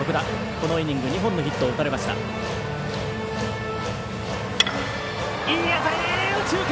このイニング、２本のヒットを打たれました。